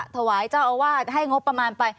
ถวายเจ้าอาวาสให้งบประมาณไป